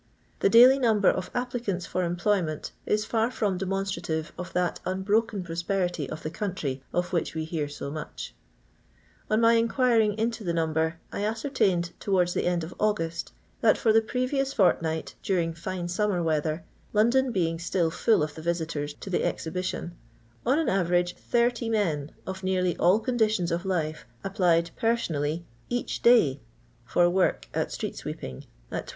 The doily number of applicanU for employment is far from demonstrative of that unbroken pros perity of the country, of which we hear so much. On my inquiring into the number, I ascertained towards the end of August, that, for the previous fortnight, during fine summer weather, London being still full of the Tisitors to the Exhibition, on an average 80 men, of nearly all conditions of life, applied personally each day for work nt street sweeping, at 12*.